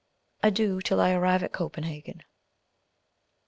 Adieu! till I arrive at Copenhagen.